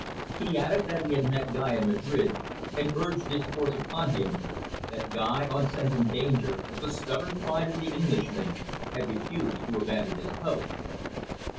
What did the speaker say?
He added that he had met Guy in Madrid and urged this course upon him, that Guy on scenting danger, with the stubborn pride of the Englishman, had refused to abandon his post.